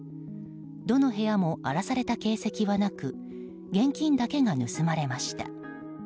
どの部屋も荒らされた形跡はなく現金だけが盗まれました。